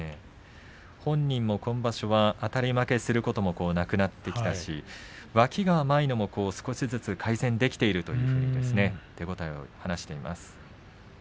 本人も今場所はあたり負けすることもなくなってきたし脇が甘いのも少しずつ改善できていると手応えを話しています。